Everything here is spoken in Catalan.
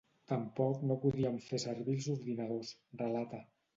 Tampoc no podíem fer servir els ordinadors, relata.